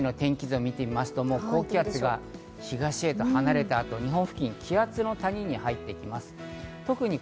そして日曜日の天気図を見てみますと、高気圧が東へと離れた後、日本付近は気圧の谷に入ってきます。